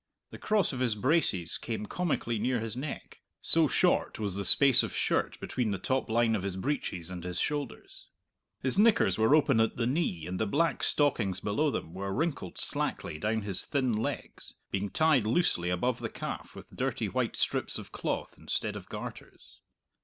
The cross of his braces came comically near his neck so short was the space of shirt between the top line of his breeches and his shoulders. His knickers were open at the knee, and the black stockings below them were wrinkled slackly down his thin legs, being tied loosely above the calf with dirty white strips of cloth instead of garters.